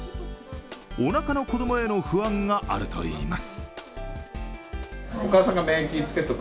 おなかの子供への不安があるといいます。